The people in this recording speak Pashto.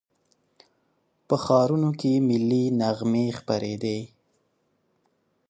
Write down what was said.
په ښارونو کې ملي نغمې خپرېدې.